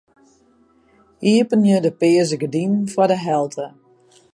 Iepenje de pearse gerdinen foar de helte.